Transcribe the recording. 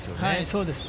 そうです。